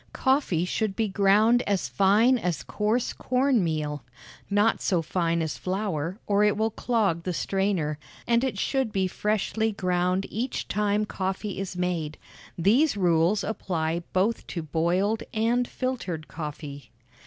Coffee should be ground as fine as coarse corn meal not so fine as flour, or it will clog the strainer and it should be freshly ground each time coffee is made. These rules apply both to boiled and filtered coffee.